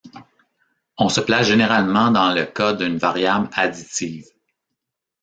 On se place généralement dans le cas d'une variable additive.